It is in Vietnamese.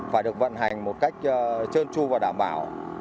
phải được vận hành một cách trơn tru và đảm bảo